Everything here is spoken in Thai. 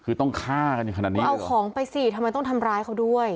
คือต้องฆ่ากันอย่างขนาดนี้เอาของไปสิทำไมต้องทำร้ายเขาด้วย